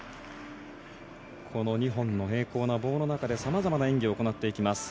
この２本の平行な棒の中で様々な演技をしていきます。